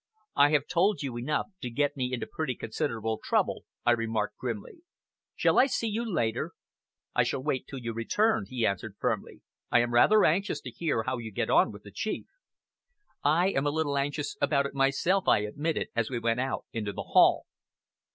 "I have told you enough to get me into pretty considerable trouble," I remarked grimly. "Shall I see you later?" "I shall wait till you return," he answered firmly. "I am rather anxious to hear how you get on with the chief." "I am a little anxious about it myself," I admitted, as we went out into the hall.